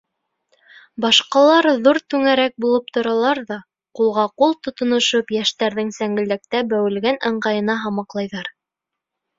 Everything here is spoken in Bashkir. Башҡалар ҙур түңәрәк булып торалар ҙа, ҡулға-ҡул тотоношоп, йәштәрҙең сәңгелдәктә бәүелгән ыңғайына һамаҡлайҙар: